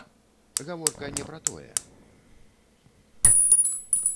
Гаворка не пра тое.